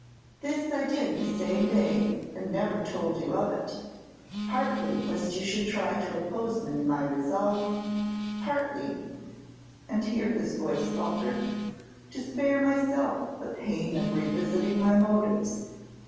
This I did the same day, and never told you of it, partly, lest you should try to oppose me in my resolve; partly," and here his voice faltered, "to spare myself the pain of revealing my motives.